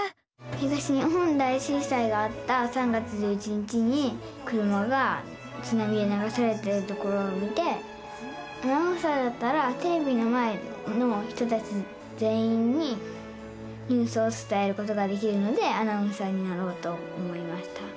東日本大震災があった３月１１日に車がつなみでながされてるところを見てアナウンサーだったらテレビの前の人たち全員にニュースをつたえることができるのでアナウンサーになろうと思いました。